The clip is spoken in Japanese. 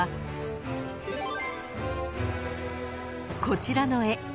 ［こちらの絵］